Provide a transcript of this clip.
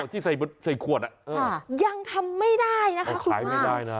ที่ใส่ขวดอ่ะยังทำไม่ได้นะคะคุณคุณความ